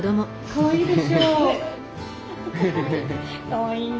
かわいいね。